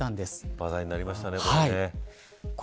話題になりましたね、これ。